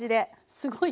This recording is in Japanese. すごい！